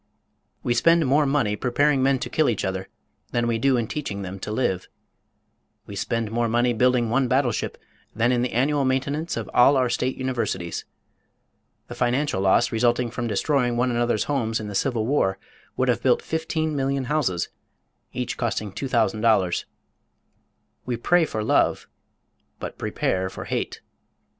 We spend more money preparing men to kill each other than we do in teaching them to live. We spend more money building one battleship than in the annual maintenance of all our state universities. The financial loss resulting from destroying one another's homes in the civil war would have built 15,000,000 houses, each costing $2,000. We pray for love but prepare for hate.